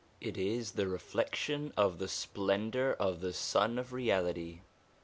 It is the reflection of the splendour of the Sun of Reality.